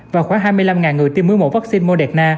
và khoảng hai mươi năm người tiêm mối một vaccine moderna